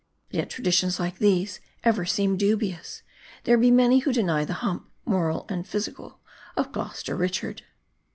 Yet, traditions like these ever seem dubious. There be. many who deny the hump, moral and physical, of Gloster Richard.